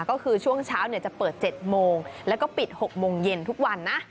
ก็คือช่วงเช้าจะเปิด๗โมงแล้วก็ปิด๖โมงเย็นทุกวันนะ